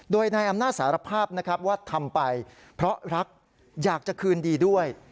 โดยนายอำนาจสารภาพนะครับว่าทำไปเพราะรักอยากจะคืนดีด้วย